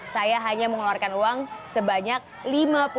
saya hanya mengeluarkan uang sebanyak lima puluh sembilan rupiah